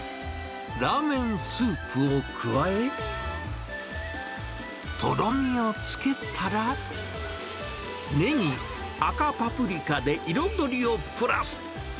ラーメンスープを加え、とろみをつけたら、ネギ、赤パプリカで彩りをプラス。